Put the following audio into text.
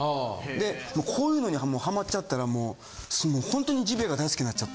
こういうのにハマっちゃったらもう本当にジビエが大好きになっちゃって。